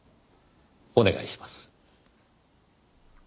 お願いします。